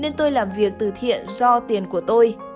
nên tôi làm việc từ thiện do tiền của tôi